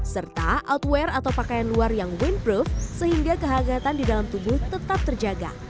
serta outwear atau pakaian luar yang windproof sehingga kehangatan di dalam tubuh tetap terjaga